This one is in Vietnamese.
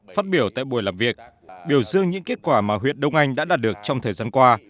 phát biểu tại buổi làm việc biểu dương những kết quả mà huyện đông anh đã đạt được trong thời gian qua